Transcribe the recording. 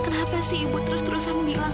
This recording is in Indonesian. kenapa sih ibu terus terusan bilang